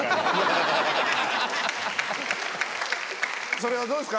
それはどうですか？